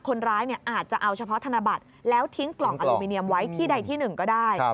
คนร้ายอาจจะเอาเฉพาะธนบัตรแล้วทิ้งกล่องอลูมิเนียมไว้ที่ใดที่หนึ่งก็ได้